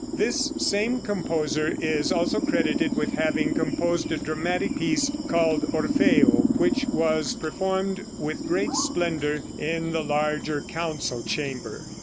This same composer is also credited with having composed a dramatic piece called Orpheo, which was performed with great splendor in the larger council chamber.